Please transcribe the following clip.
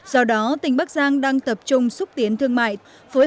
do đó tỉnh bắc giang đang tập trung xúc tiến thương mại